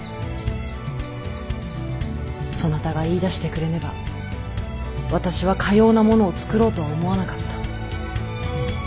そなたが言いだしてくれねば私はかようなものを作ろうとは思わなかった。